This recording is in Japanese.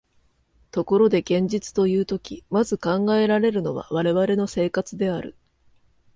ところで現実というとき、まず考えられるのは我々の生活である。